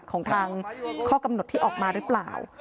ของทางข้อกำหนดที่ออกมาหรือเปล่า